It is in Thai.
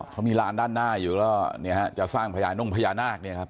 อ๋อเขามีร้านด้านหน้าอยู่แล้วจะสร้างพญานุ่งพญานาคเนี่ยครับ